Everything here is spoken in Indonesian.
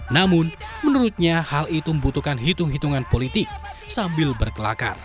namun menurutnya hal itu membutuhkan hitung hitungan politik sambil berkelakar